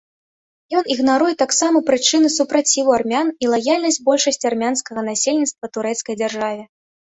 Ён ігнаруе таксама прычыны супраціву армян і лаяльнасць большасці армянскага насельніцтва турэцкай дзяржаве.